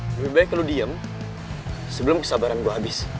lebih baik lo diem sebelum kesabaran lo habis